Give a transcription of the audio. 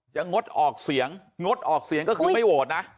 งดออกเสียงงดออกเสียงก็คือไม่โหวตนะ